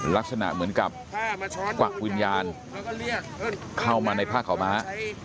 ลักษณะเหมือนกับกวักวิญญาณเข้ามาในผ้าขาวม้า